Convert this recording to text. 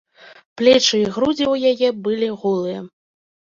Плечы і грудзі ў яе былі голыя.